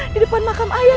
di depan makam ayah